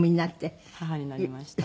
母になりました。